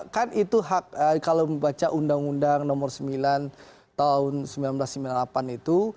kan itu hak kalau membaca undang undang nomor sembilan tahun seribu sembilan ratus sembilan puluh delapan itu